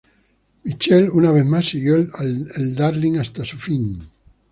Mitchell una vez más siguió el Darling hasta su fin.